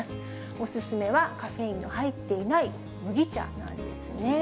お勧めはカフェインの入っていない麦茶なんですね。